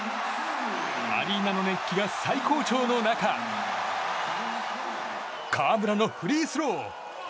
アリーナの熱気が最高潮の中河村のフリースロー。